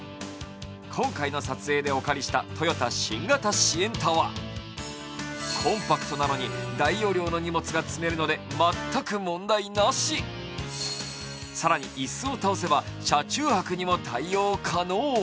今回の撮影でお借りしたトヨタ新型シエンタはコンパクトなのに大容量な荷物が積めるので全く問題なし、更に椅子を倒せば車中泊にも対応可能。